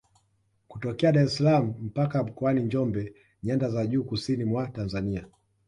Kutokea Dar es salaam mpaka Mkoani Njombe nyanda za juu kusini mwa Tanzania